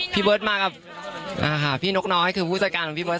พี่เบิร์ตมากับพี่นกน้อยคือผู้จัดการของพี่เบิร์